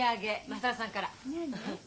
優さんから。